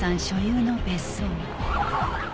所有の別荘。